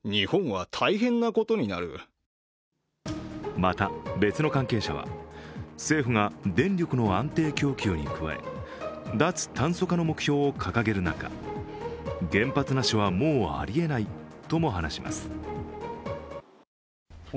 また別の関係者は政府が電力の安定供給に加え脱炭素化の目標を掲げる中原発なしはもうありえないとも話します。